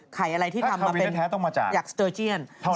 ไข่อะไรที่ทำมาเป็นอยากสเตอร์เจียนเพราะถ้าคาเวียแปลว่าแท้ต้องมาจากเท่านั้น